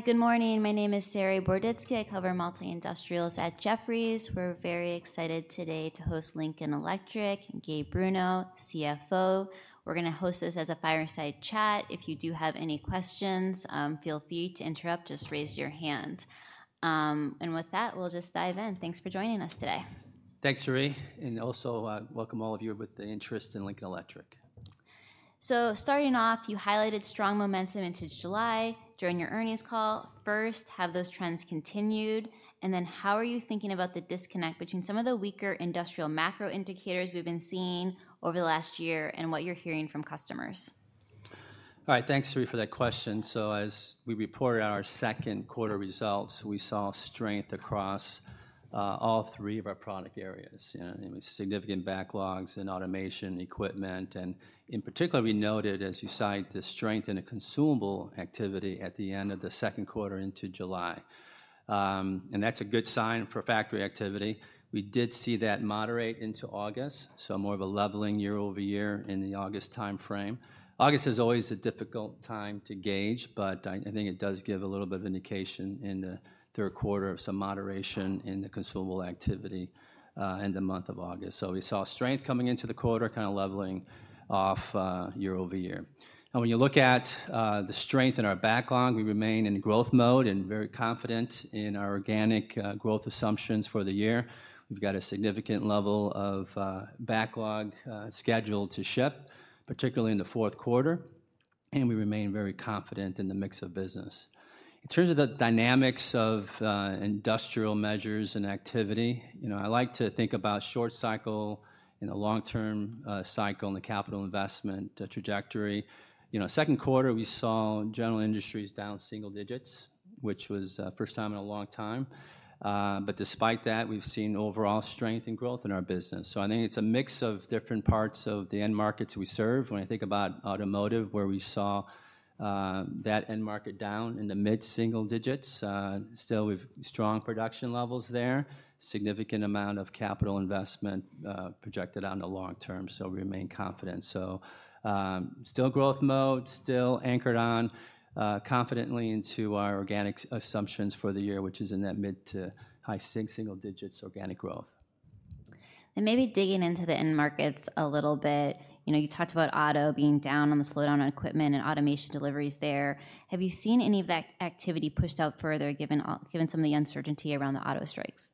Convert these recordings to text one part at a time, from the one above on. Hi, good morning. My name is Saree Boroditsky. I cover Multi-Industrials at Jefferies. We're very excited today to host Lincoln Electric, Gabe Bruno, CFO. We're gonna host this as a fireside chat. If you do have any questions, feel free to interrupt, just raise your hand. And with that, we'll just dive in. Thanks for joining us today. Thanks, Saree, and also, welcome all of you with the interest in Lincoln Electric. Starting off, you highlighted strong momentum into July during your earnings call. First, have those trends continued? And then how are you thinking about the disconnect between some of the weaker industrial macro indicators we've been seeing over the last year and what you're hearing from customers? All right, thanks, Saree, for that question. As we reported our second quarter results, we saw strength across all three of our product areas. You know, and with significant backlogs in automation equipment, and in particular, we noted, as you cite, the strength in the consumables activity at the end of the second quarter into July. That's a good sign for factory activity. We did see that moderate into August, so more of a leveling year-over-year in the August timeframe. August is always a difficult time to gauge, but I think it does give a little bit of indication in the third quarter of some moderation in the consumables activity in the month of August. So we saw strength coming into the quarter, kinda leveling off year-over-year. And when you look at, the strength in our backlog, we remain in growth mode and very confident in our organic, growth assumptions for the year. We've got a significant level of, backlog, scheduled to ship, particularly in the fourth quarter, and we remain very confident in the mix of business. In terms of the dynamics of, industrial measures and activity, you know, I like to think about short cycle and the long-term, cycle and the capital investment, trajectory. You know, second quarter, we saw general industries down single digits, which was, first time in a long time. But despite that, we've seen overall strength and growth in our business. So I think it's a mix of different parts of the end markets we serve. When I think about automotive, where we saw that end market down in the mid-single digits, still we've strong production levels there, significant amount of capital investment projected out in the long term, so we remain confident. So, still growth mode, still anchored on confidently into our organic assumptions for the year, which is in that mid- to high-single digits organic growth. Maybe digging into the end markets a little bit, you know, you talked about auto being down on the slowdown on equipment and automation deliveries there. Have you seen any of that activity pushed out further, given some of the uncertainty around the auto strikes?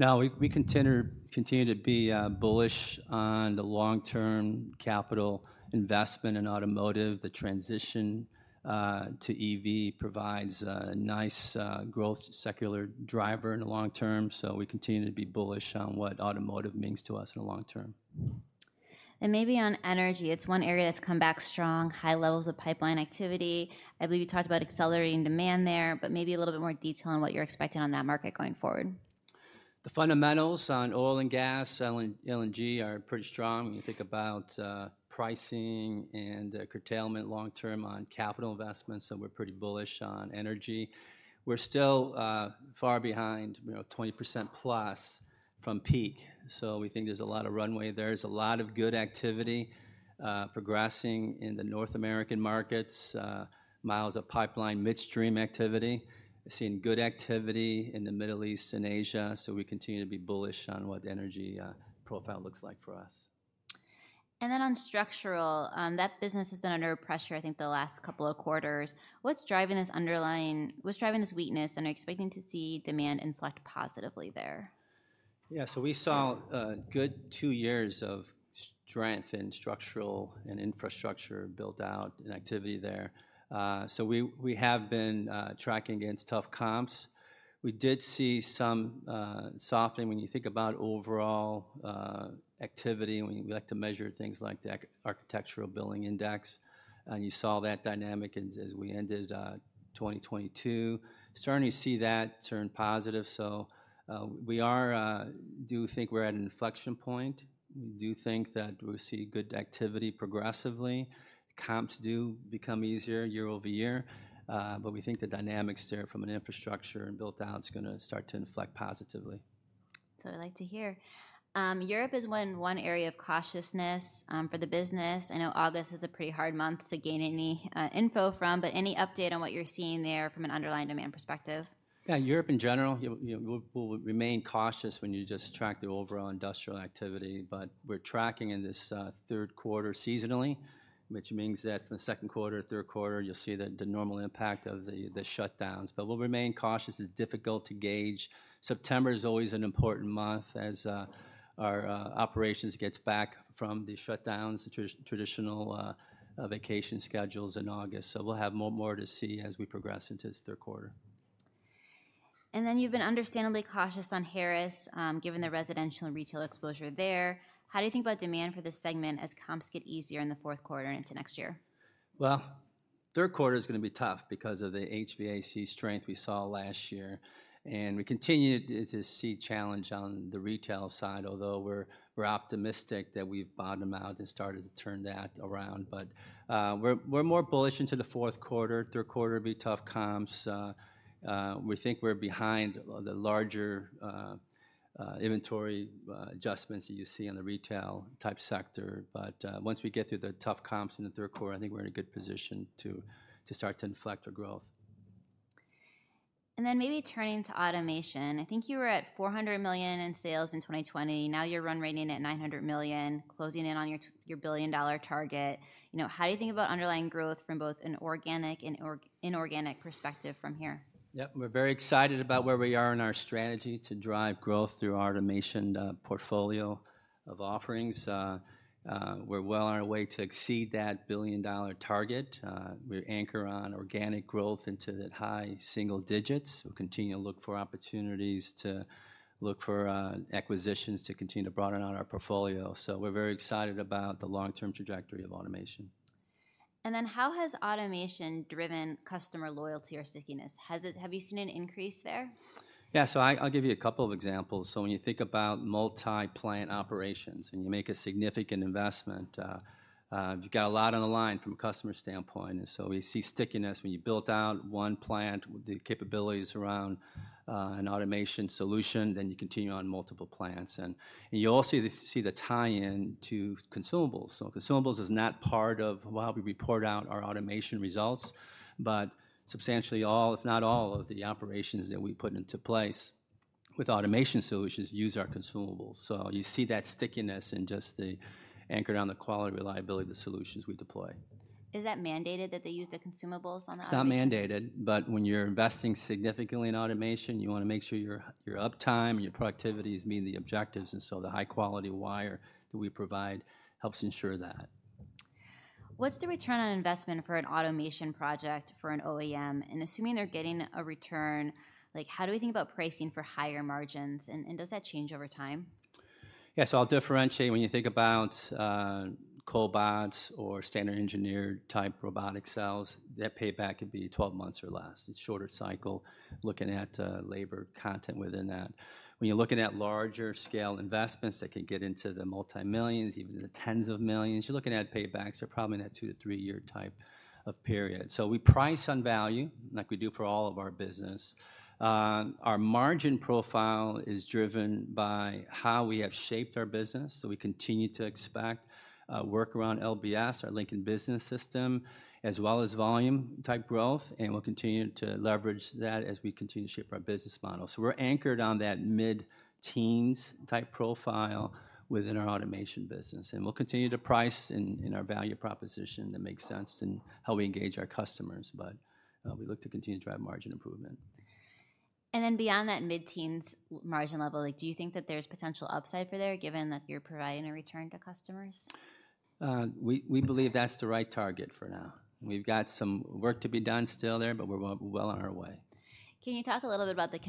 No, we continue to be bullish on the long-term capital investment in automotive. The transition to EV provides a nice growth secular driver in the long term, so we continue to be bullish on what automotive means to us in the long term. And maybe on energy, it's one area that's come back strong, high levels of pipeline activity. I believe you talked about accelerating demand there, but maybe a little bit more detail on what you're expecting on that market going forward. The fundamentals on oil and gas, LNG, are pretty strong when you think about, pricing and, curtailment long term on capital investments, so we're pretty bullish on energy. We're still, far behind, you know, 20% plus from peak, so we think there's a lot of runway there. There's a lot of good activity, progressing in the North American markets, miles of pipeline midstream activity. We've seen good activity in the Middle East and Asia, so we continue to be bullish on what the energy, profile looks like for us. Then on structural, that business has been under pressure, I think, the last couple of quarters. What's driving this weakness, and are you expecting to see demand inflect positively there? Yeah, so we saw a good two years of strength in structural and infrastructure build-out and activity there. So we have been tracking against tough comps. We did see some softening when you think about overall activity, when we like to measure things like the Architectural Billings index, and you saw that dynamic as we ended 2022. Starting to see that turn positive, so we do think we're at an inflection point. We do think that we'll see good activity progressively. Comps do become easier year-over-year, but we think the dynamics there from an infrastructure and build-out is gonna start to inflect positively. That's what I like to hear. Europe is one area of cautiousness for the business. I know August is a pretty hard month to gain any info from, but any update on what you're seeing there from an underlying demand perspective? Yeah, Europe in general, you know, we'll remain cautious when you just track the overall industrial activity. But we're tracking in this third quarter seasonally, which means that from the second quarter to third quarter, you'll see the normal impact of the shutdowns. But we'll remain cautious. It's difficult to gauge. September is always an important month as our operations gets back from the shutdowns, the traditional vacation schedules in August. So we'll have more to see as we progress into the third quarter. You've been understandably cautious on Harris, given the residential and retail exposure there. How do you think about demand for this segment as comps get easier in the fourth quarter and into next year? Well, third quarter is gonna be tough because of the HVAC strength we saw last year, and we continue to see challenge on the retail side, although we're optimistic that we've bottomed them out and started to turn that around. But, we're more bullish into the fourth quarter. Third quarter will be tough comps. We think we're behind the larger inventory adjustments that you see in the retail type sector. But, once we get through the tough comps in the third quarter, I think we're in a good position to start to inflect our growth. Then maybe turning to automation, I think you were at $400 million in sales in 2020. Now you're run rating at $900 million, closing in on your billion-dollar target. You know, how do you think about underlying growth from both an organic and inorganic perspective from here? Yep, we're very excited about where we are in our strategy to drive growth through our automation portfolio of offerings. We're well on our way to exceed that billion-dollar target. We anchor on organic growth into the high single digits. We'll continue to look for opportunities to look for acquisitions to continue to broaden out our portfolio. So we're very excited about the long-term trajectory of automation. And then how has automation driven customer loyalty or stickiness? Have you seen an increase there? Yeah, so I, I'll give you a couple of examples. So when you think about multi-plant operations, and you make a significant investment, you've got a lot on the line from a customer standpoint. And so we see stickiness when you built out one plant with the capabilities around an automation solution, then you continue on multiple plants. And you also see the tie-in to consumables. So consumables is not part of how we report out our automation results, but substantially all, if not all, of the operations that we put into place with automation solutions use our consumables. So you see that stickiness in just the anchor around the quality, reliability of the solutions we deploy. Is that mandated that they use the consumables on the automation? It's not mandated, but when you're investing significantly in automation, you wanna make sure your uptime and your productivity is meeting the objectives, and so the high-quality wire that we provide helps ensure that. What's the return on investment for an automation project for an OEM? And assuming they're getting a return, like, how do we think about pricing for higher margins, and does that change over time? Yeah, so I'll differentiate. When you think about, cobots or standard engineered-type robotic cells, that payback could be 12 months or less. It's shorter cycle, looking at, labor content within that. When you're looking at larger scale investments, that could get into the $multi-millions, even the $10s of millions, you're looking at paybacks are probably in that 2- to 3-year type of period. So we price on value, like we do for all of our business. Our margin profile is driven by how we have shaped our business, so we continue to expect, work around LBS, our Lincoln Business System, as well as volume-type growth, and we'll continue to leverage that as we continue to shape our business model. So we're anchored on that mid-teens type profile within our automation business, and we'll continue to price in, in our value proposition that makes sense in how we engage our customers. But, we look to continue to drive margin improvement. And then beyond that mid-teens margin level, like, do you think that there's potential upside for there, given that you're providing a return to customers? We believe that's the right target for now. We've got some work to be done still there, but we're well on our way. Can you talk a little bit about the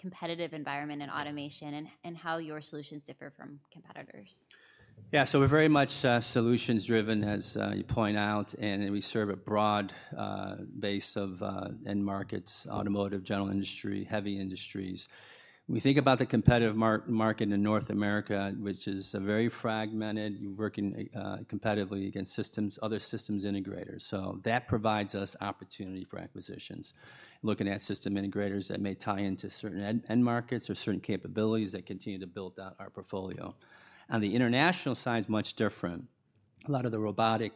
competitive environment in automation and how your solutions differ from competitors? Yeah, so we're very much solutions driven, as you point out, and then we serve a broad base of end markets, automotive, general industry, heavy industries. We think about the competitive market in North America, which is very fragmented. You're working competitively against systems, other systems integrators, so that provides us opportunity for acquisitions. Looking at system integrators that may tie into certain end markets or certain capabilities that continue to build out our portfolio. On the international side, it's much different. A lot of the robotic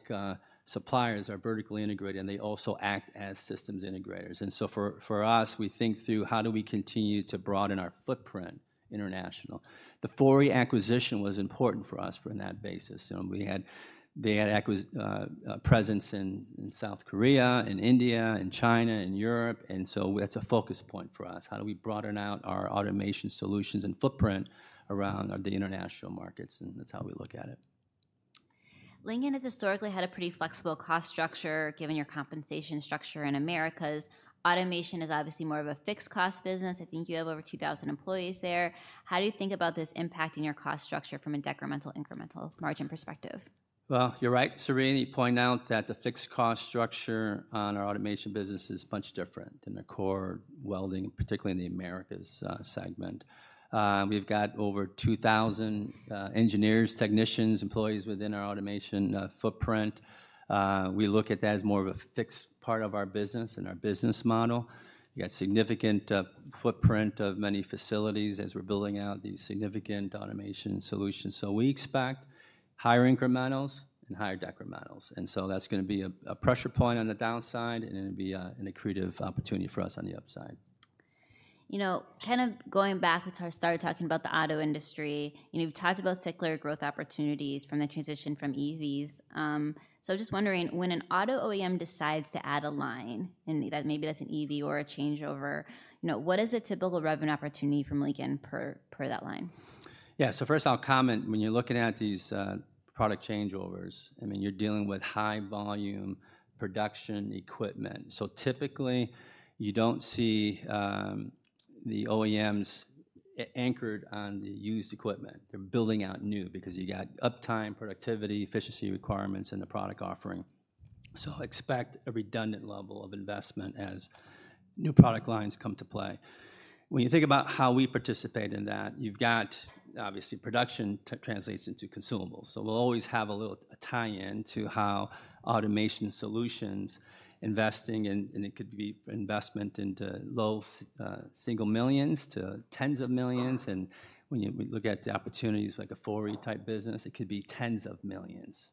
suppliers are vertically integrated, and they also act as systems integrators. And so for us, we think through how do we continue to broaden our footprint international? The Fori acquisition was important for us from that basis, and we had they had presence in South Korea, in India, in China, in Europe, and so that's a focus point for us. How do we broaden out our automation solutions and footprint around the international markets? And that's how we look at it. Lincoln has historically had a pretty flexible cost structure, given your compensation structure in Americas. Automation is obviously more of a fixed cost business. I think you have over 2,000 employees there. How do you think about this impacting your cost structure from a decremental, incremental margin perspective? Well, you're right, Saree. You point out that the fixed cost structure on our automation business is much different than the core welding, particularly in the Americas segment. We've got over 2,000 engineers, technicians, employees within our automation footprint. We look at that as more of a fixed part of our business and our business model. You got significant footprint of many facilities as we're building out these significant automation solutions. So we expect higher incrementals and higher decrementals, and so that's gonna be a pressure point on the downside, and it'll be an accretive opportunity for us on the upside. You know, kind of going back to when I started talking about the auto industry, you know, you've talked about secular growth opportunities from the transition from EVs. So I'm just wondering, when an auto OEM decides to add a line, and that maybe that's an EV or a changeover, you know, what is the typical revenue opportunity from Lincoln per, per that line? Yeah. So first, I'll comment when you're looking at these product changeovers, I mean, you're dealing with high volume production equipment. So typically, you don't see the OEMs anchored on the used equipment. They're building out new because you got uptime, productivity, efficiency requirements in the product offering. So expect a redundant level of investment as new product lines come to play. When you think about how we participate in that, you've got, obviously, production translates into consumables. So we'll always have a little, a tie-in to how automation solutions, investing in, and it could be investment into $ low single millions to $ tens of millions. And when we look at the opportunities like a Fori type business, it could be $ tens of millions.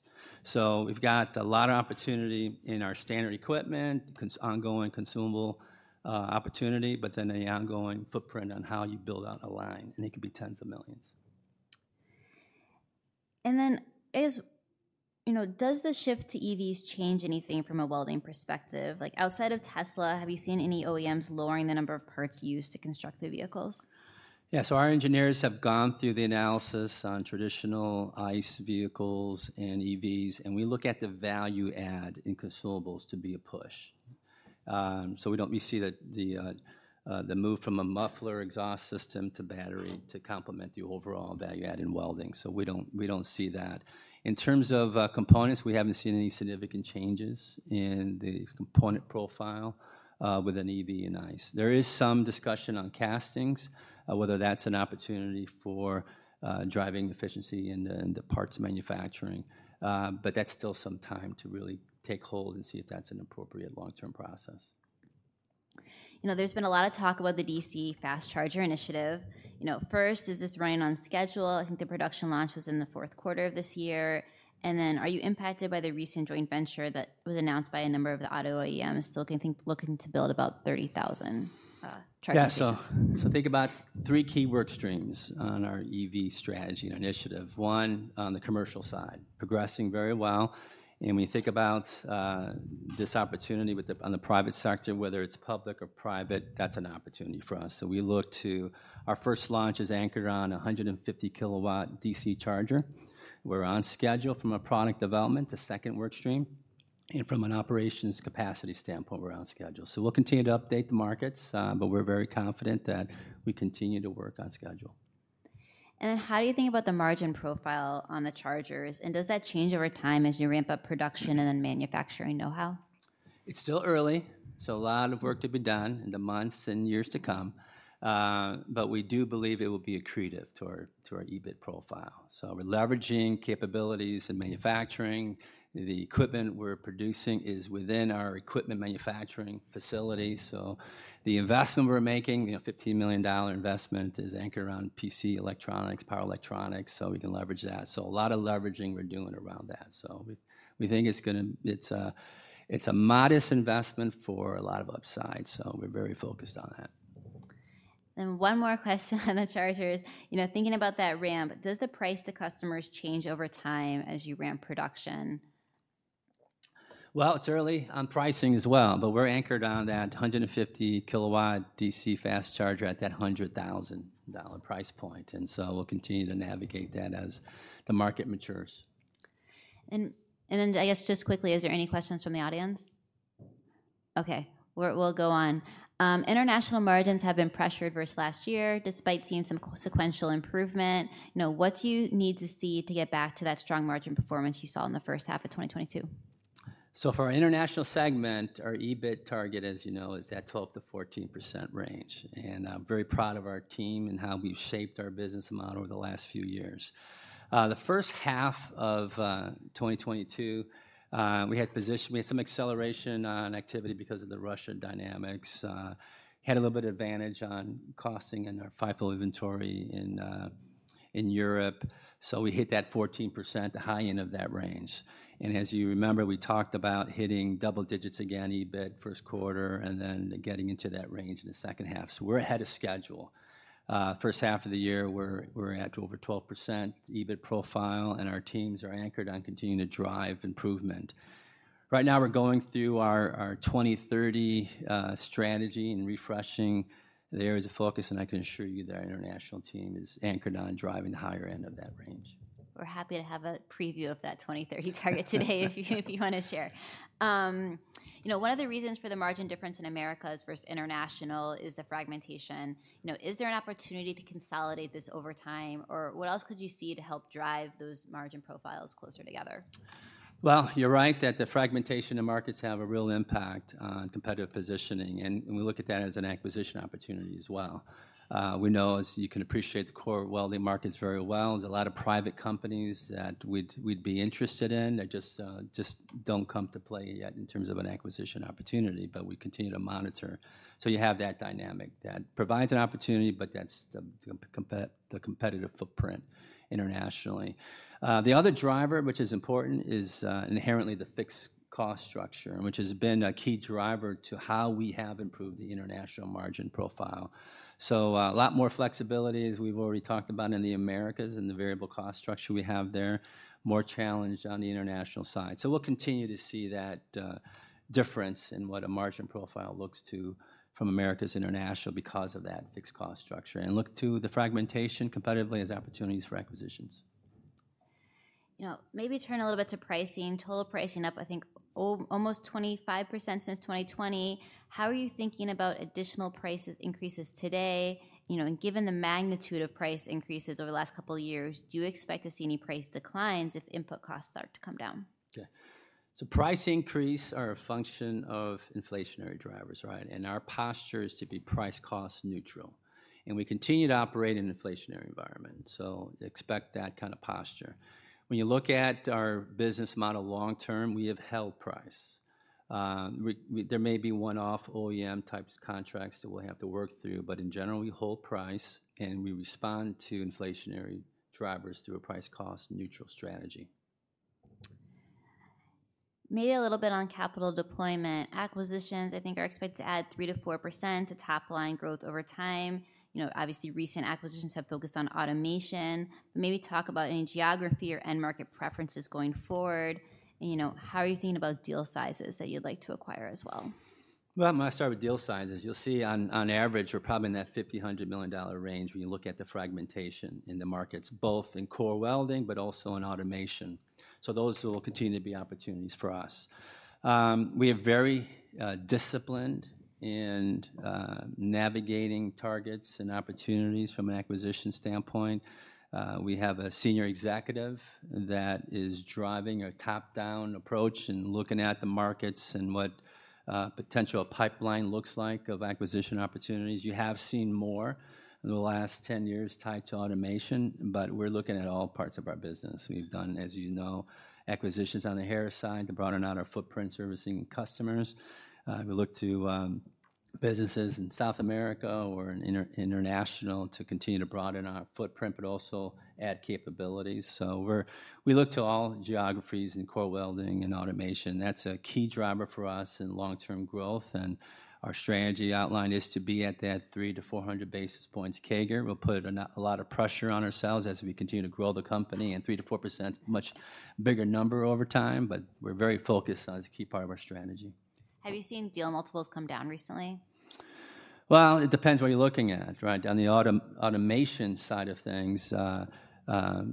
We've got a lot of opportunity in our standard equipment, consumables, ongoing consumable opportunity, but then an ongoing footprint on how you build out a line, and it could be $ tens of millions. Then, you know, does the shift to EVs change anything from a welding perspective? Like, outside of Tesla, have you seen any OEMs lowering the number of parts used to construct the vehicles? Yeah. Our engineers have gone through the analysis on traditional ICE vehicles and EVs, and we look at the value add in consumables to be a push. We see that the move from a muffler exhaust system to battery to complement the overall value add in welding, so we don't see that. In terms of components, we haven't seen any significant changes in the component profile with an EV and ICE. There is some discussion on castings, whether that's an opportunity for driving efficiency in the parts manufacturing. That's still some time to really take hold and see if that's an appropriate long-term process. You know, there's been a lot of talk about the DC Fast Charger initiative. You know, first, is this running on schedule? I think the production launch was in the fourth quarter of this year. And then, are you impacted by the recent joint venture that was announced by a number of the auto OEMs, still looking to build about 30,000 charging stations? Yeah, think about three key work streams on our EV strategy and initiative. One, on the commercial side, progressing very well, and we think about this opportunity with the-- on the private sector, whether it's public or private, that's an opportunity for us. We look to... Our first launch is anchored on a 150 kW DC charger. We're on schedule from a product development to second work stream, and from an operations capacity standpoint, we're on schedule. We'll continue to update the markets, but we're very confident that we continue to work on schedule. How do you think about the margin profile on the chargers, and does that change over time as you ramp up production and then manufacturing know-how? It's still early, so a lot of work to be done in the months and years to come. But we do believe it will be accretive to our, to our EBIT profile. So we're leveraging capabilities in manufacturing. The equipment we're producing is within our equipment manufacturing facility, so the investment we're making, you know, $15 million investment, is anchored around PC electronics, power electronics, so we can leverage that. So a lot of leveraging we're doing around that. So we think it's gonna be a modest investment for a lot of upside, so we're very focused on that. One more question on the chargers. You know, thinking about that ramp, does the price to customers change over time as you ramp production? Well, it's early on pricing as well, but we're anchored on that 150 kW DC Fast Charger at that $100,000 price point, and so we'll continue to navigate that as the market matures. Then, I guess, just quickly, is there any questions from the audience? Okay, we'll go on. International margins have been pressured versus last year, despite seeing some sequential improvement. You know, what do you need to see to get back to that strong margin performance you saw in the first half of 2022? So for our international segment, our EBIT target, as you know, is that 12%-14% range, and I'm very proud of our team and how we've shaped our business model over the last few years. The first half of 2022, we had some acceleration on activity because of the Russia dynamics, had a little bit of advantage on costing and our FIFO inventory in Europe. So we hit that 14%, the high end of that range. And as you remember, we talked about hitting double digits again, EBIT first quarter, and then getting into that range in the second half. So we're ahead of schedule. First half of the year, we're at over 12% EBIT profile, and our teams are anchored on continuing to drive improvement. Right now we're going through our 2030 strategy and refreshing the areas of focus, and I can assure you that our international team is anchored on driving the higher end of that range. We're happy to have a preview of that 2030 target today, if you, you wanna share. You know, one of the reasons for the margin difference in Americas versus international is the fragmentation. You know, is there an opportunity to consolidate this over time, or what else could you see to help drive those margin profiles closer together? Well, you're right that the fragmentation in markets have a real impact on competitive positioning, and we look at that as an acquisition opportunity as well. We know, as you can appreciate the core welding markets very well, there's a lot of private companies that we'd be interested in. They just don't come to play yet in terms of an acquisition opportunity, but we continue to monitor. So you have that dynamic. That provides an opportunity, but that's the competitive footprint internationally. The other driver, which is important, is inherently the fixed cost structure, which has been a key driver to how we have improved the international margin profile. So, a lot more flexibility, as we've already talked about in the Americas and the variable cost structure we have there. More challenged on the international side. We'll continue to see that difference in what a margin profile looks to from Americas International because of that fixed cost structure, and look to the fragmentation competitively as opportunities for acquisitions. You know, maybe turn a little bit to pricing. Total pricing up, I think, almost 25% since 2020. How are you thinking about additional price increases today? You know, and given the magnitude of price increases over the last couple of years, do you expect to see any price declines if input costs start to come down? Okay, so price increases are a function of inflationary drivers, right? And our posture is to be price-cost neutral, and we continue to operate in an inflationary environment, so expect that kind of posture. When you look at our business model long term, we have held price. There may be one-off OEM types contracts that we'll have to work through, but in general, we hold price, and we respond to inflationary drivers through a price-cost neutral strategy. Maybe a little bit on capital deployment. Acquisitions, I think, are expected to add 3%-4% to top-line growth over time. You know, obviously, recent acquisitions have focused on automation. Maybe talk about any geography or end market preferences going forward, and, you know, how are you thinking about deal sizes that you'd like to acquire as well? Well, I'm gonna start with deal sizes. You'll see on average, we're probably in that $50-$100 million range when you look at the fragmentation in the markets, both in core welding but also in automation. So those will continue to be opportunities for us. We are very disciplined in navigating targets and opportunities from an acquisition standpoint. We have a senior executive that is driving a top-down approach and looking at the markets and what potential pipeline looks like of acquisition opportunities. You have seen more in the last 10 years tied to automation, but we're looking at all parts of our business. We've done, as you know, acquisitions on the Harris side to broaden out our footprint servicing customers. We look to businesses in South America or in international to continue to broaden our footprint, but also add capabilities. So we look to all geographies in core welding and automation. That's a key driver for us in long-term growth, and our strategy outline is to be at that 300-400 basis points CAGR. We'll put a lot of pressure on ourselves as we continue to grow the company, and 3%-4% is a much bigger number over time, but we're very focused on the key part of our strategy. Have you seen deal multiples come down recently? Well, it depends what you're looking at, right? On the automation side of things,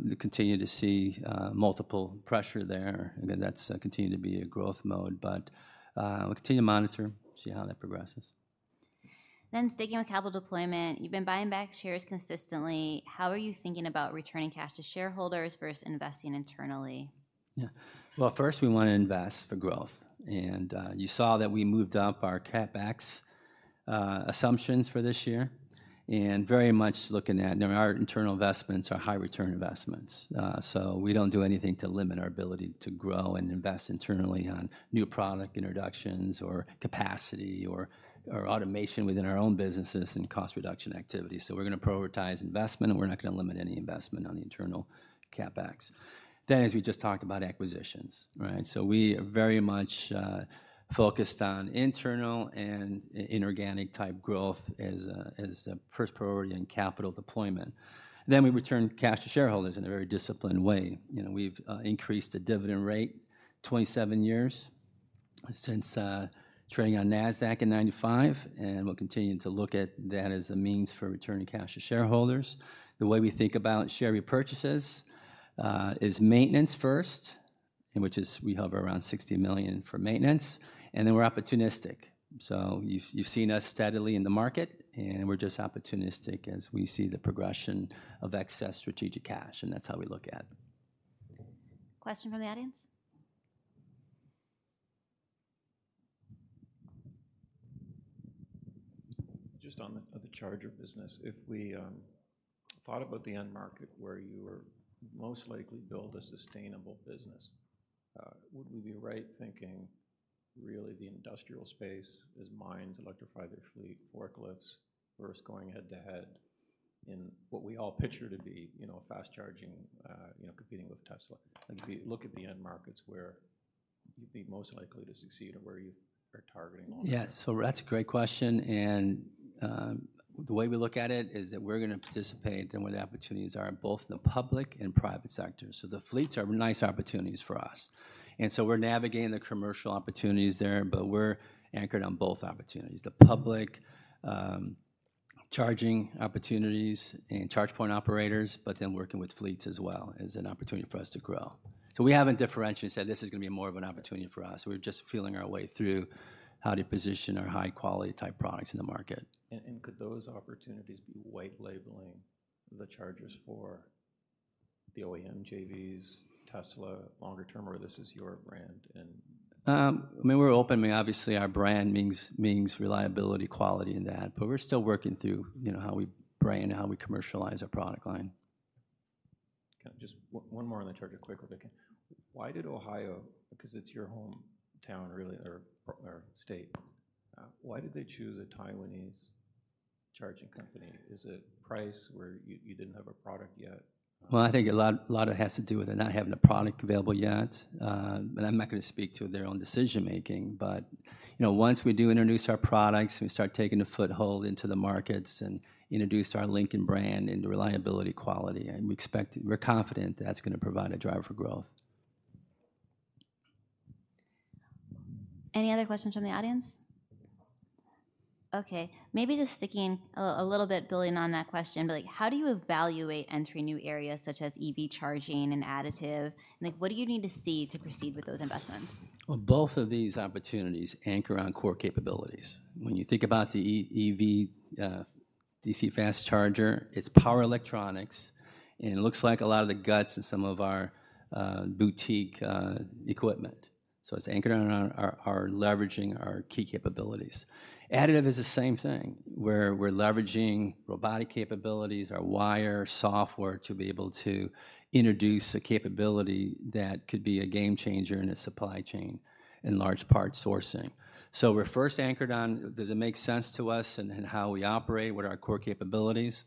we continue to see multiple pressure there. Again, that's continue to be a growth mode, but we'll continue to monitor, see how that progresses. Then sticking with capital deployment, you've been buying back shares consistently. How are you thinking about returning cash to shareholders versus investing internally? Yeah. Well, first, we wanna invest for growth, and you saw that we moved up our CapEx assumptions for this year, and very much looking at... Now, our internal investments are high return investments. So we don't do anything to limit our ability to grow and invest internally on new product introductions or capacity or automation within our own businesses and cost reduction activities. So we're gonna prioritize investment, and we're not gonna limit any investment on the internal CapEx. Then, as we just talked about, acquisitions, right? So we are very much focused on internal and inorganic type growth as a first priority in capital deployment. Then we return cash to shareholders in a very disciplined way. You know, we've increased the dividend rate 27 years since trading on Nasdaq in 1995, and we'll continue to look at that as a means for returning cash to shareholders. The way we think about share repurchases is maintenance first, and which is we hover around $60 million for maintenance, and then we're opportunistic. So you've, you've seen us steadily in the market, and we're just opportunistic as we see the progression of excess strategic cash, and that's how we look at it. Question from the audience? Just on the charger business, if we thought about the end market where you are most likely build a sustainable business, would we be right thinking really the industrial space as mines electrify their fleet, forklifts versus going head-to-head in what we all picture to be, you know, fast charging, you know, competing with Tesla? Like, if we look at the end markets where you'd be most likely to succeed or where you are targeting on- Yes. So that's a great question, and the way we look at it is that we're gonna participate in where the opportunities are in both the public and private sectors. So the fleets are nice opportunities for us, and so we're navigating the commercial opportunities there, but we're anchored on both opportunities, the public charging opportunities and charge point operators, but then working with fleets as well, is an opportunity for us to grow. So we haven't differentiated, said this is gonna be more of an opportunity for us. We're just feeling our way through how to position our high-quality type products in the market. And could those opportunities be white labeling the chargers for the OEM JVs, Tesla longer term, or this is your brand and- I mean, we're open. I mean, obviously, our brand means, means reliability, quality, and that, but we're still working through, you know, how we brand, how we commercialize our product line. Okay, just one more on the charger, quick okay. Why did Ohio, because it's your hometown, really, or, or state, why did they choose a Taiwanese charging company? Is it price where you, you didn't have a product yet? Well, I think a lot, a lot of it has to do with it not having a product available yet. But I'm not gonna speak to their own decision-making, but, you know, once we do introduce our products, we start taking a foothold into the markets and introduce our Lincoln brand into reliability, quality, and we expect—we're confident that's gonna provide a driver for growth. Any other questions from the audience? Okay, maybe just sticking a little bit building on that question, but, like, how do you evaluate entering new areas such as EV charging and additive? And, like, what do you need to see to proceed with those investments? Well, both of these opportunities anchor on core capabilities. When you think about the EV, DC fast charger, it's power electronics, and it looks like a lot of the guts in some of our, boutique, equipment. So it's anchored on our leveraging our key capabilities. Additive is the same thing, where we're leveraging robotic capabilities, our wire software, to be able to introduce a capability that could be a game changer in its supply chain, in large part, sourcing. So we're first anchored on, does it make sense to us and how we operate? What are our core capabilities?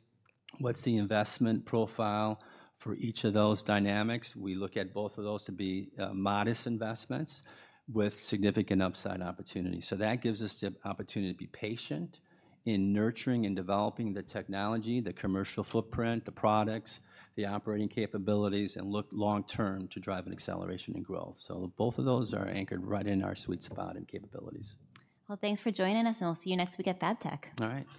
What's the investment profile for each of those dynamics? We look at both of those to be, modest investments with significant upside opportunities. So that gives us the opportunity to be patient in nurturing and developing the technology, the commercial footprint, the products, the operating capabilities, and look long term to drive an acceleration in growth. So both of those are anchored right in our sweet spot in capabilities. Well, thanks for joining us, and we'll see you next week at FABTECH. All right.